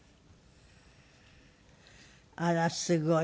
あらすごい。